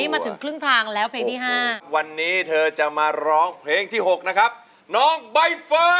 มาพบกับรอยยิ้มที่แสนจะชื่นใจ